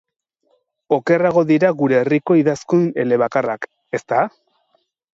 Okerrago dira gure herriko idazkun elebakarrak, ezta?